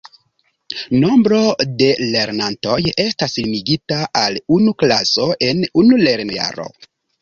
Nombro de lernantoj estas limigita al unu klaso en unu lernojaro.